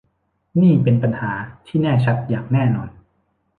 นี่เป็นปัญหาที่แน่ชัดอย่างแน่นอน